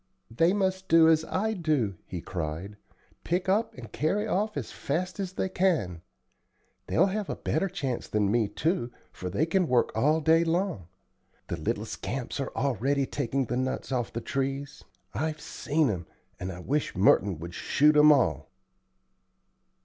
"They must do as I do," he cried; "pick up and carry off as fast as they can. They'll have a better chance than me, too, for they can work all day long. The little scamps are already taking the nuts off the trees I've seen 'em, and I wish Merton would shoot 'em all."